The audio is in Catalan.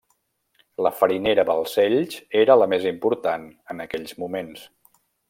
La Farinera Balcells era la més important en aquells moments.